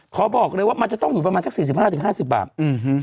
ขอบอกเลยว่ามันจะต้องอยู่ประมาณสัก๔๕๕๐บาท